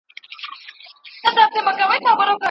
پردی ملا دی په خپل ستوني کي آذان پټوي